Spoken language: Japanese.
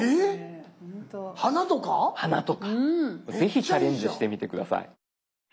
是非チャレンジしてみて下さい。